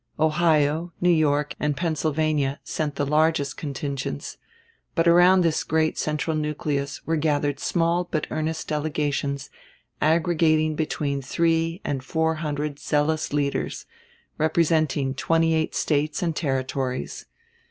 Ohio, New York, and Pennsylvania sent the largest contingents; but around this great central nucleus were gathered small but earnest delegations aggregating between three and four hundred zealous leaders, representing twenty eight States and Territories.